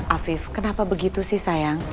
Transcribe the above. afif kenapa begitu sih sayang